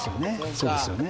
そうですよね。